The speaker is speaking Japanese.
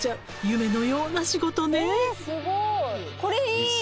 夢のような仕事ね。